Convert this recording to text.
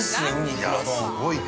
◆いや、すごいね。